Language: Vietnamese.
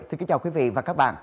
xin kính chào quý vị và các bạn